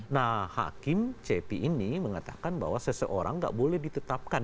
nah hakim cepi ini mengatakan bahwa seseorang nggak boleh ditetapkan